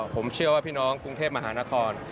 ผมเชื่อว่าพี่น้องกรุงเทพมหานคร